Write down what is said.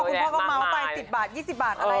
๕๗ดี